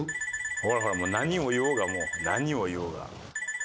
「ほらほら何を言おうがもう何を言おうが」